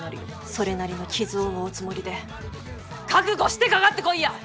それなりの傷を負うつもりで覚悟してかかってこいや！